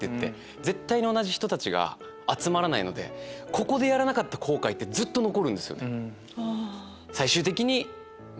絶対に同じ人たちが集まらないのでここでやらなかった後悔ってずっと残るんですよね。